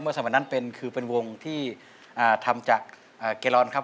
เมื่อสมัยนั้นเป็นคือเป็นวงที่ทำจากเกรลอนครับ